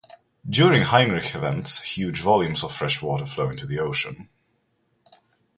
During Heinrich events, huge volumes of fresh water flow into the ocean.